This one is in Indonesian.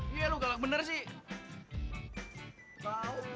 iya lo galak bener sih